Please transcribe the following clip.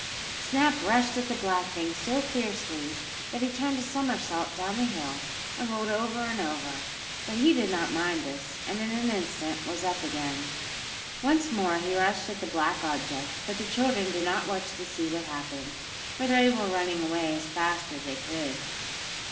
Snap rushed at the black thing so fiercely that he turned a somersault down the hill, and rolled over and over. But he did not mind this, and in an instant was up again. Once more he rushed at the black object, but the children did not watch to see what happened, for they were running away as fast as they could.